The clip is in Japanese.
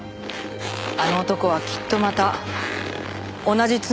あの男はきっとまた同じ罪を繰り返す。